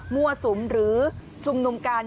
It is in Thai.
มั่วสุมหรือชุมนุมกัน